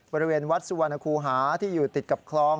บริเวณวัดสุวรรณคูหาที่อยู่ติดกับคลอง